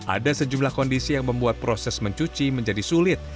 ada sejumlah kondisi yang membuat proses mencuci menjadi sulit